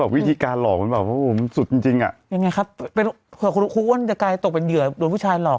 แล้ววิธีการหลอกมันสุดจริงอ่ะยังไงครับเผื่อครูก้วนกลายตกเป็นเหยื่อโดนผู้ชายหลอก